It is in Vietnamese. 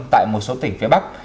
tại một số tỉnh phía bắc